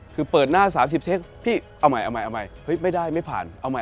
แบบเปิดหน้า๓๐เทคแบบเอาใหม่ไม่ผ่านเอาใหม่